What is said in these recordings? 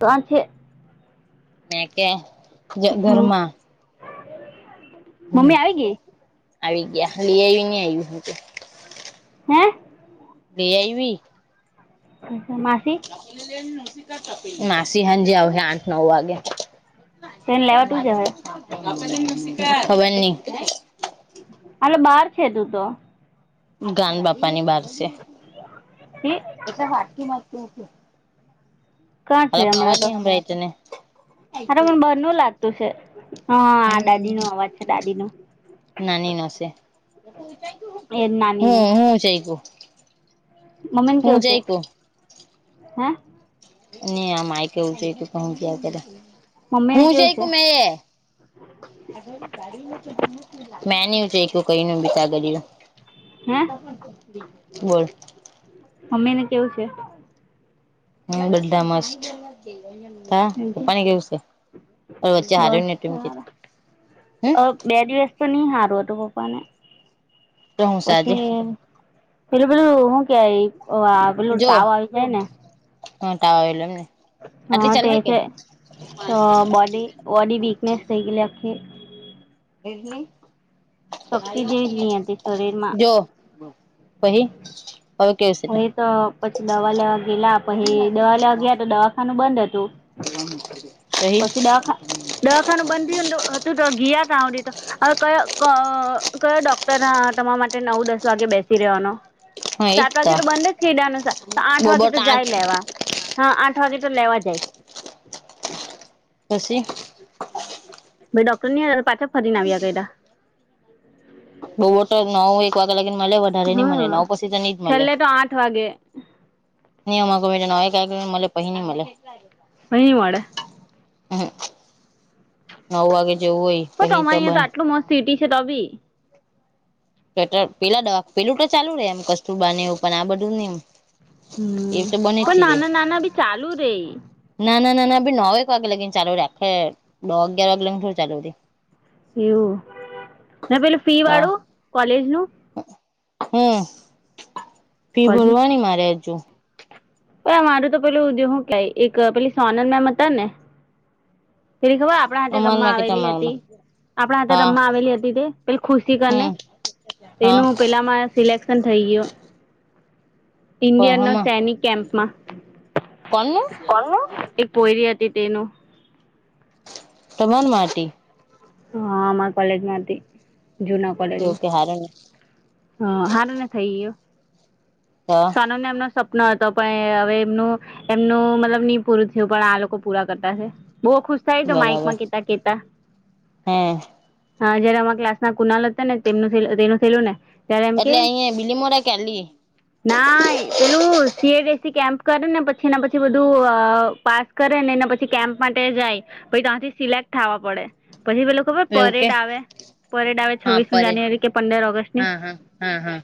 તા છે. તા છે. મે કે ઘરમાં મેં કે હમ. ઘરમાં મેં ઘુમી આવી મમ્મી ગયા લઈ ગઈ આવી નહી આવ્યું હું તો. ઘુમી આવી ગયા લઈ આવી નહીં આવ્યું હું તો. હેં હેં બેેઈવીી બેઈવી અચછા માસી. અચછા માસી. [unintelligible] માસી હાજે આવશે આઠ નવ વાગ્યા. માસી સાંજે આવશે આઠ નવ વાગ્યા. તેને [inaudible] લેવા તું જ હવે ખબર નહી. ખબર નહી. આલે બાર છે તું તો. આલે બાર છે તું તો ‌ ગાન બાપા ની બહાર છે. ગાન બાપા ની બહાર છે ‌ [inaudible] હમ એમ એ વાકી માત તું. એ વાટકી માત તું કાં હાલ પ્રવાર ન હમ્રઈ ત ને. હાલ પ્રવાર ન હતી ત ને‌ અરે મને બરનુ લાગતું છે, હા દાદી નો અવાજ છે દાદી નો. અરે મને બરનુ લાગતું છે હા દાદી નો અવાજ છે દાદી નો. નાની નશે, [inaudible] હું હું ચઈકું? નાની નશે, હું હું ચઈકુ? નાની મમન કેવ છે, હે? મન કેયા છે ની આ માય કેવું જોય્તુ પણ કેયા કરે, હું ઉચઇકુ મેં? મમ્મી ને ની કેવું છે આ માય કેવું જાય તું પણ કેયા કરે, હુ ઉચઈકુ મેં? [unintelligible] મે ની ઉચઇકુ મેં ની ઉચઈકુ મેં ની કઈ નું હે બી [inaudible] બોલ કઈ નું બી બોલ અમે ને કેવું છે? અમે ને કેવું છે? હમ બધા મસ્ત. હમ બધા મ હમ બધા મસ્ત હમ બધા હા પપ્પાની કેવું છે? પણ વચ્ચે હારુની તુંમ હા પપ્પાની એવું છે? બસ પણ વચ્ચે સાધુની સારા તુમ અ બે દિવસ તો નહી સારું હતું પપ્પાને તો હું સાજે પછી, અ બે દિવસ તો નહીં સારું હતું પપ્પાને પછી પેલું પેલું હું કેય પેલું તાવ આવી જાય ને? પેલું પેલું હું કેય પેલું તાવ આવી જાય ને? એલ એમને [inaudible] એલ એમને હા આટલી ચાલે તે હે કે છે તો બોડી બોડી વીકનેસ થઈ ગયલી આખી. હા તે છે તો બોડી બોડી વીકનેસ થઈ ગયેલી આખી. શક્તિ જેવી જ નહી હતી શરીરમાં [inaudible] જો પહી હવે કેવું હ છે એતો પછી દવા લવા ગેલા પછી દવા લવા ગયા તો દવાખાનું બંધ હતું. એવુ [inaudible] પહી પહી દવાખાનું બંધ થયને હતું ગયા તી તો હવે ક-ક-કયો કયો ડો--દવાખાન બંધ થયને હતું ગયા તી તો હવે ક-ક-કયો કયો ડો [unintelligible] તમારા માટે નવ દસ વાગે બેસી રહેવાનો? તમારા માટે નવ દસ વાગે બેસી રહેવાનો? હા એજ સાત વાગે તો બંધ જ થઈ જાય તોય આઠ વાગે બોબટ તો આઠ લેવા જ જાય હા આઠ વાગે બછી પછી ડોક્ટર ની પાછા ફરીને કયડા. બઉ ઓટ નવ એક વાગ્યા લાગીને મળે વધારે નહી મળે હા નવ પછી તો નહી જ મળે. છેલ્લે તો આઠ વાગે [unintelligible] [unintelligible] હમ્મ નવ વાગે જેવું હોય પ પહી તમા આંયા તો બંધ આટલું મસ્ત સિટી છે તો બી સ્વેટર પેલા દવા પેલું તો ચાલુ રે એમ કસ્તુરબા ને એવું પણ આ બધું ની એ હમ્મ તો બંધ પણ નાના નાના બી ચાલુ રેય નાના નાના ભી નવેક વાગે લગીને ચાલુ રે આખે દહ અગિયાર વાગે લગીને થોરિ ચાલુ રે એવું ને પેલું ફી વાળું કોલેજ નું હમ્મ ફી કોલેજનું ભરવાની મારે હજુ એ અમારું તો પેલું હું કેય એક પેલી સોનલ મેમ હતા ને પેલી ખબર આપણા હાતે રમવા અમારમાં કે આવેલી તમારમાં હતી આપણા હાતે હા રમવા આવેલી હતી તે પેલી ખુશી કરીને હમ હા તેનું પેલામાં સિલેેક્શન થઈ ગયો ઇન્ડિયન નો હમાં સૈનિક કેમ્પમાં કોનું કોનું પોયરી હતી તેનું તમાર માટી હા અમારા કોલેજમાં હતી જુના એવું કોલેજમાં કે હારું ને હ હારુ ને થઈ યયો તો સોનમ મેમ નો સપનો હતો પણ હવે એમનું એમનું મતલબ ની પૂરું થયું પણ આ લોકો પૂરા કરતા છે બહુ ખુશ થાય તો બરાબર માઈકમાં કેતા કેતા હે હા જયારે અમા ક્લાસ ના કુનાલ હશે ને તેમનું તેનું થઈલું ને ત્યારે એમ કે એટલે અહંયા બીલીમોરા કે [unintelligible] ના પેલું સીએડીએસી કેમ્પ કરે ને પછીના પછી બધું પાસ કરે ને પછી કેમ્પ માટે જાય પહિ ત્યાંથી સિલેક્ટ થવા પડે પછી પેલુ ખબર એવું કે પરેડ આવે પરેડ આવે હા છવ્વીસમી જાન્યુઆરી કે પંદર ઓગસ્ટ ની હમ્મ હમ્મ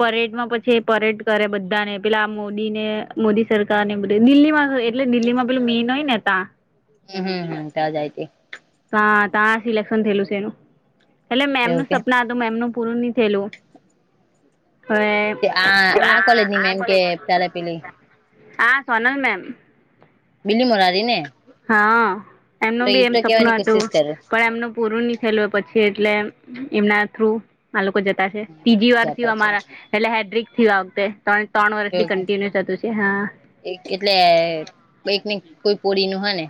પરેડ માં પછી પરેડ કરે બધાને પેલા મોદી ને મોદી સરકાર ને બધે દિલ્હીમાં એટલે દિલ્લી માં પેલુ મીન હોઈ ને તા હમ્મ હમ્મ હમ્મ તાજાય તે હા તા સિલેક્શન થયેલું છે એનું એટલે એવું મેમનું કે સપના મેમનું પૂરું ની થયેલું હવે આ આ કોલેજની મેમ કે [unintelligible] પેલી આ સોનલ મેમ બિલીમોરા વારી ને હા તો એમનું બી એ એમ તો કેવાની સપનું હતું કોશિશ કરું પણ એમનું પૂરું ની થયેલું પછી એટલે એમના થ્રુ આ લોકો જતા છે ત્રીજી વાર થી જાતા છે અમારા એટલે હેડ્રિક થીયુ આ વખતે ત્રણે ત્રણ વર્ષથી કન્ટિન્યુ થતું છે હા એક એટલે કોઈક ને કોઈ પોડી નું હે ને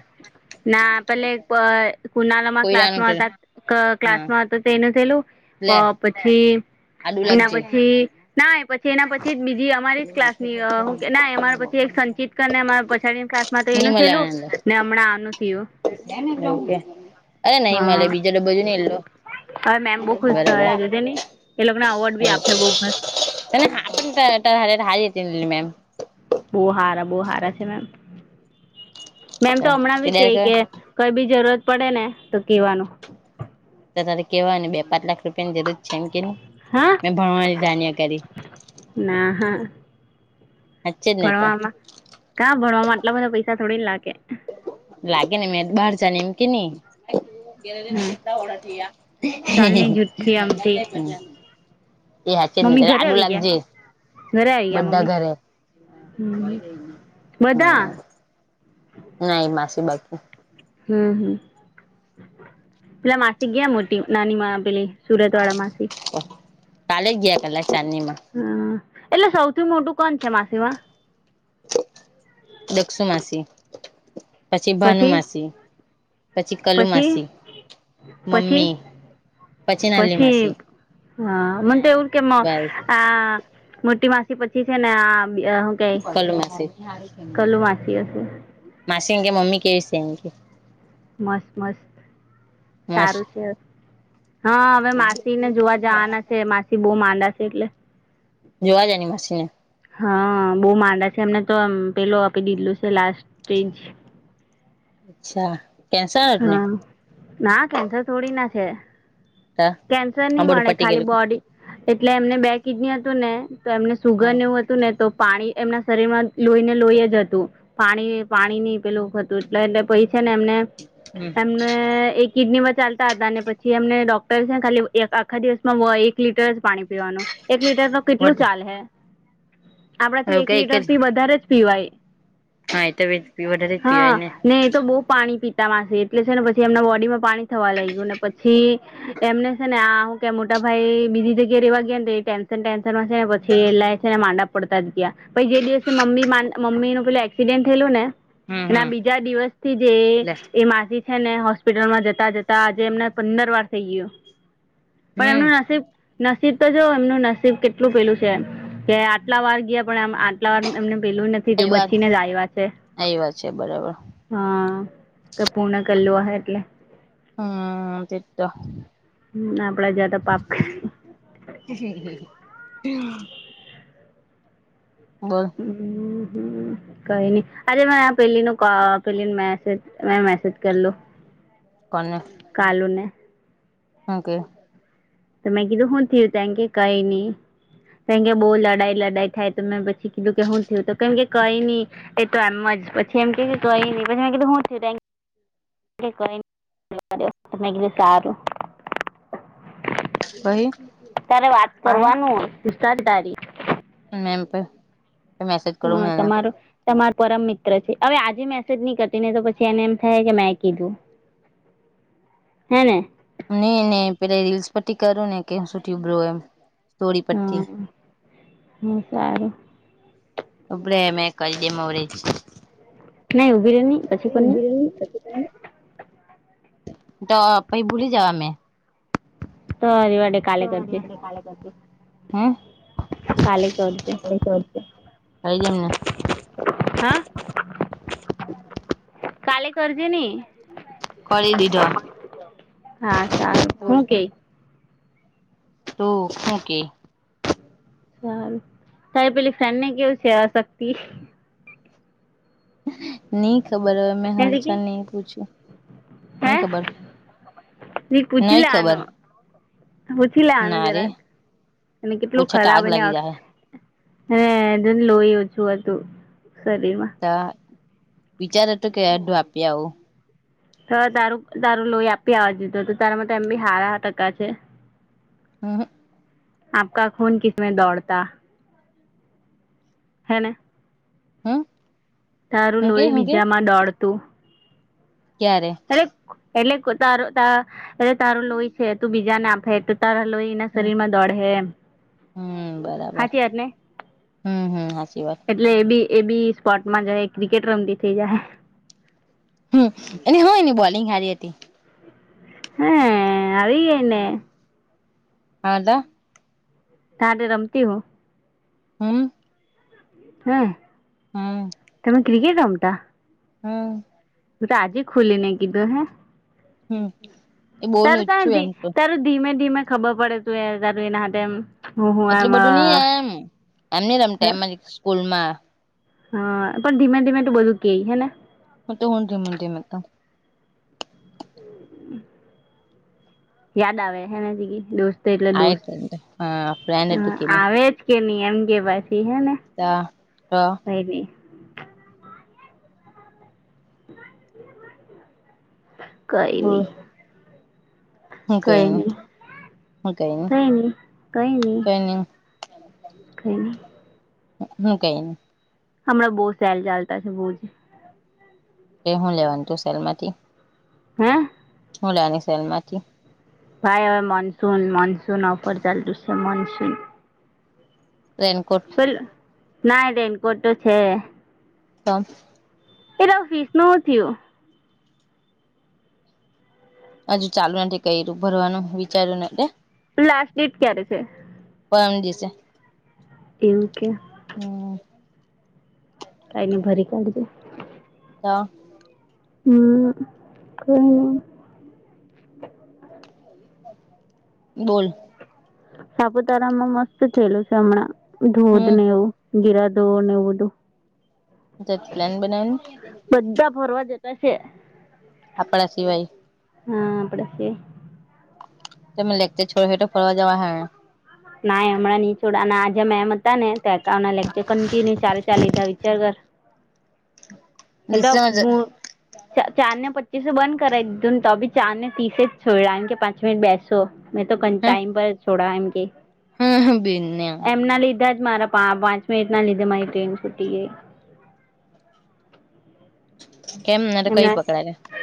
ના પેલે કુનાલા અમાં ક્લાસમાં કોયરાનું હતા હા ક્લાસમાં હતો તેનું થેલું લે પ પછી આડું એના લાગજે પછી ના એ પછી એના પછી જ બીજી અમારી જ ક્લાસની અ ના અમારા પછી એક સંચિત કરી ને અમારા પછાડીની ક્લાસ. માં તો ની એનું મલે થેલું આનંદ ને હમણાં આનું. થયું [unintelligible] અરે નઇ મળે હા બીજો ડબ્બો જોને એલો. હવે મેમ બહુ ખુશ થહે બરાબર જોજે ની એ લોકને અવાર્ડ બી આપહે બઉ મસ્ત [unintelligible] મેમ બહુ હારા બહુ હારા છે મેમ મેમ તો હમણાં તે બી કે કે ડાયરેક્ટ કઈ બી જરૂરત પડે ને તો કેવાનું. તો તારે કેવાય ને બે પાંચ લાખ રૂપિયા ની જરૂર છે એમ કેની હા મેં ભણવાની જાણ્યા કરી. ના હા હાચે જ ને તો ભણવામાં કા ભણવામાં આટલા બધા પૈસા થોડી લાગે લાગે ને મેં બહાર જાની એમ કે ની હમ [unintelligible] ચાલની જૂઠથી આમથી હીહીહી એ હાચે ન મમ્મી ઘરે આડું આવી ગયા લાગજે ઘરે આવી ગયા બધા મમ્મી ઘરે. હમ બધા નઈ માસી બાકી. હમમ હમમ પેલા માસી ગયા મોટી નાની માં પેલી સુરત વાળા માસિ? કાલેજ ગીયાકલા ચાંદિમા હમ એટલે સૌથી મોટું કોણ છે માસીમાં? દક્ષુ માસી પછી ભાનુમાસી પછી કલુ માસી પછી મમ્મી. નાલી પછી માસી હા મને તો ના એવું કે મ. બસ આ મોટી માસી પછી છે ને આ. કે કલુ માસી કલુ માસી હશે માસીન કે મમ્મી કેવી છે એ કે મસ્ત મસ્ત મસ્ત સારું છે હા હવે માસી ને જોવા જવાના છે મા સી બહુ માંદા છે એટલે. જોવા જાની માસીને. હા બહુ માંદા છે એમને તો આમ પેલું આપી દીધલું છે લાસ્ટ સ્ટેજ. અચ્છા કેન્સર હતું ને હા ના કેન્સર થોડી ના છે. તા કેન્સર હા ની બધું મળે પટી ખાલી ગયેલું બોડી. એટલે એમને બે કિડની હતું ને તો એમને સુગર હા એવું હ તુ ને તો પાણી એમના શરીરમાં લોહીને લોઈ જ હતું. પાણી ની પાણી નહી પેલું હતું એટલે એટલે પછી છે ને એમને હમ એમને એક. કિડનીમાં ચાલતા હતા અને પછી એમને ડોક્ટર છે ને ખાલી એક આખા દિવસમાં વ એક. એક લીટર જ પાણી પીવાનું એક લીટર તો કેટલું એવું ચાલ હૈ. આપણાથી એક કઈ લીટર જ થી વધારે જ પીવાય. હા એ તો પી વધારે જ હા પીવાય ને. એ તો બહુ પાણી પીતા માસી એટલે છે ને પછી એમના બોડી માં પાણી થવા લાગ્યું ને પછી. એમને છે ને આ હું કે મોટા ભાઈ બીજી જગ્યાએ રેવા ગયા ને ટેન્શન ટેન્શ ન માં પછી એલા છે ને માંદા જ પડતા ગ્યા. પછી જે દિવસે મમ્મી મા મમ્મી પેલું એક્સિડેન્ટ થેલું ને. હમ એના હમ બીજા દિવસથી જે. લે એ માસી છે ને હોસ્પિટલમાં જતા જતા આજે એમને પંદર વાર થઇ ગયું. પણ હમ એમનું નસીબ નસીબ તો જો એમનું નસીબ કેટલું પેલું છે. કે આટલા વાર ગયા પણ આટલા વાર એમને પેલું ન થી તે એ વાત બચીને જ આવ્યા છે એ વાત છે બરાબર હા કે પૂર્ણ કરલુ અહે એટલે. હમ તે તો હમ આપડા જેવા તો પાપ કરે. [unintelligible] બોલ. હમ હમ. કઈ ની આજે મે પેલીનો કો પેલીનું મેસેજ મે મેસેજ કરલો. [inaudible] કોને. કાલુ ને હું કે તો મેં કીધું હું થયું ત એન કે કઈ ની કેમ કે બો લડાઈ લડાઈ થાય તો મેં પછી કીધું કે હું થયું તો એમકે કે કઈ ની. એ તો એમ જ પછી એમ કે કેઇ ની પછી મેં કીધું હું થયું. આપડે કઈ [unintelligible] મારયો તો મે કીધું સારુ પહી. ત્યારે વાત કરવાનું [unintelligible] તારી મેમ્પ. હ તમારું. તમાર પરમ મિત્ર છે. હવે આજે મેસેજ ની કરતી નય તો પછી એને એમ થાહે કે મેં કીધું. હે ને ની ની પેલી રીલ્સ પરથી કરું ને કે શું થયું બ્રો એમ. તોડી પટી. હા સારું ઉભરે મે કરી દેવ અવેજ નહી ઉભી રે નહી પછી ઓય કોણ નહી ઉભી રેની પછી કરને. તો પહી ભૂલી જાવા મે. તો રેવાડે. તો રેવાડે કાલે કરજે હમ. કાલે કરજે. [unintelligible] હાઈ જમના હા કાલે કરજે ની. કરી દીધો. હા સારું હું કેઈ ટું હું કેય સારુ તારે પેલી ફ્રેન્ડને કેવું છે અશક્તિ. ની ખબર હવે મેં હાલચાલ ની પૂછ્યું ની ખબર. ની પૂછી નઈ ખબર લેવાનું. પૂછી લેવાનું ના રે જરાક અને કેટલુ પૂછે તો ખરાબ આગ એને અ લાગી જાહે હે જેને લોહી ઓછું હતું શરીર માં તહ વિચાર હતું કે અઢધૂ આપી આવું. હ તારું તારું લોહી આપી આવા જોય તું તું તારા માટ એમ બી હારા ટકા છે. અહ. આપકા ખૂન કીસમે દોડતા. હેને. હમ્મ. તારું લોહી બીજામાં દોડતું. ક્યારે? અરે એટલે તારો ત અરે, તારું લોહી છે તું બીજાને આપહે તારા લોહી એના શરીરમાં દોડહે એમ. હમ્મ બરાબર, હાચી વાત ને હમ્મ હાચી વાત. એટલે એ બી એ બી સ્પોર્ટમાં જહે ક્રિકેટ રમતી થઇ જાહે. હમ્મ, એની હું એની બોલિંગ હારી હતી. હા, આવી ગઈ ને [unintelligible] તારે રમતી હું. હમ્મ. હમ્મ, હમ તમે ક્રિકેટ રમતા? હમ્મ. તું તો આજે ખુલી ને કીધું હે. હમ્મ. [unintelligible] તારું ધીમે ધીમે ખબર પડે તું એ તારું એના હાથે એમ હું હું એટલું એમ બધું ની હ એમ એમ ની રમતી એમ જ સ્કૂલમાં હા, પણ ધીમે ધીમે તું બધું કેય હેને હું તો હું ધીમે ધીમે કવ યાદ આવે હે ને બીજી દોસ્ત તો એટલે આ દોસ, હા ફ્રેન્ડ હતું કે નહી આવે જ કે ની એમ કે પાછી હે ને તા કંઈની કઈની હું કઈ નહી કઈની હું કઈ નહી કઈની કઈની કઈ નહી કઈની હું કઈની હમણાં બહુ સેલ ચાલતા છે બોજ તે હું લેવાની તું સેલમાંથી? હે? હું લેવાની સેલમાંથી? કાઈ હવે મનસૂન, મનસૂન ઓફર ચાલતું સે મનસૂન. રેનકોટ ના રેઈનકોટ તો છે. તો એ તારું ફિસનું હું થિયુ? હજુ ચાલુ નથી કર્યું, ભરવાનું વિચાર્યું ને એટલે લાસ્ટ ડેટ ક્યારે છે? પરમ દિવસે. એવું કે. હમ્મ. કાઈની ભરી કાઢજે. તો હમ્મ [unintelligible] બોલ સાપુતારા માં મસ્ત થેલું છે હમણાં ધોધ હમ ને એવું ગીરા ધો ને એવું બધું કંઈક પ્લાન બનાવોન બધ્ધા ફરવા જતા છે. આપડા સિવાય હા આપડા સિવાય તમે લેકચર છોડ હે ટો ફરવા જવા હે ને નાઈ હમણાં ની છોડાના આજે મેમ જ હતા ને તો એકાઉન્ટ ના લેકચર કન્ટિન્યુ ચારે ચાર લીધા વિચાર કર એડપ મુ દસરા ચા ચાર ને પચીસ બંધ કરાય દીધું ને તો બી ચાર ને તીસે જ છોયડા એમ કે પાંચ મિનિટ બેસ સો મેં તો કન ટાઈમ પર જ છોડા એમ કેય હાહા બેનયા એમના લીધા જ મારા પા પા પાંચ મિનિટ ના લીધે મારી ટ્રેન છૂટી ગઈ કેમ નતો કઈ પકડા છે હોર્ન...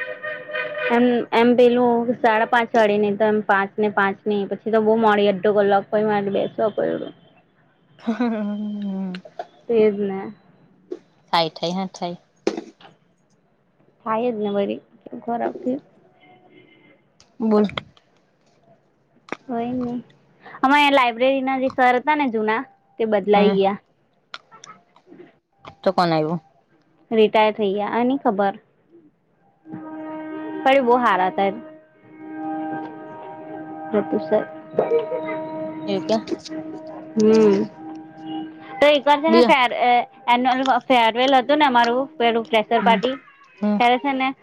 એમ એમ પેલું સાડા પાંચ વાળી નય તો એમ પાંચ ને પાંચ ની પછી એ તો બહુ મોડી અડધો કલાક પણ મારે બેસવા પડ્યું હમમ હમ એજ ને થાય થાય હ થાય થાય જ ને વળી ખરાબ થ્યુ બોલ કઈ નહી અમારે લાઈબ્રેરી ના જે સર હતાને જુના તે હમ બદલાઈ ગયા. તો કોણ આયવુ રિટાયર થઈ ગયા આ નઈ ખબર પણ ઈ બઉ હારા હતા એમ લતુ સા એ કયા તો એક વાર છે ને ફેર એન્યાલનું ફેરવેલ હતું ને અમારું પેલું ફ્રેશર હમ પાર્ટી હમ ત્યારે છે ને